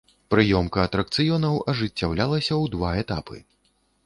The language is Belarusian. Прыёмка атракцыёнаў ажыццяўлялася ў два этапы.